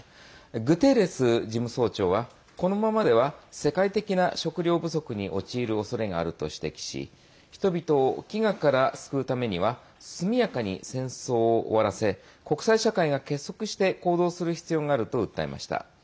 グテーレス事務総長はこのままでは世界的な食糧不足に陥るおそれがあると指摘し人々を飢餓から救うためには速やかに戦争を終わらせ国際社会が結束して行動する必要があると訴えました。